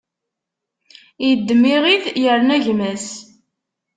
Iddem iɣid, irna gma-s.